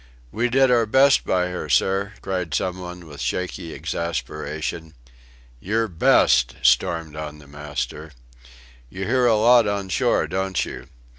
"We did our best by her, sir," cried some one with shaky exasperation. "Your best," stormed on the master; "You hear a lot on shore, don't you?